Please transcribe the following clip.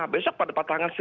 besok pada pasangan c